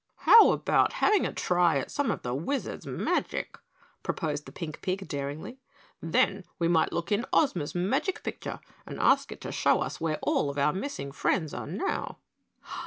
"How about having a try at some of the Wizard's magic?" proposed the pink pig, daringly, "then we might look in Ozma's magic picture and ask it to show us where all of our missing friends are now."